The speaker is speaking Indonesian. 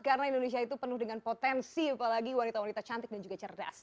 karena indonesia itu penuh dengan potensi apalagi wanita wanita cantik dan juga cerdas